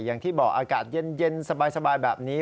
อย่างที่บอกอากาศเย็นสบายแบบนี้